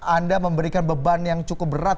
anda memberikan beban yang cukup berat